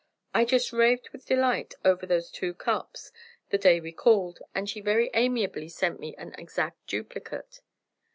I just raved with delight over those two cups, the day we called, and she very amiably sent me an exact duplicate."